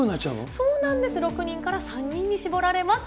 そうなんです、６人から３人に絞られます。